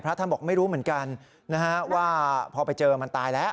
ท่านบอกไม่รู้เหมือนกันนะฮะว่าพอไปเจอมันตายแล้ว